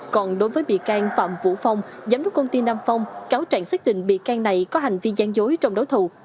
còn đối với bị can phạm vũ phong giám đốc công ty nam phong cáo trạng xác định bị can này có hành vi gian dối trong đấu thầu